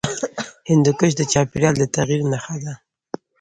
هندوکش د چاپېریال د تغیر نښه ده.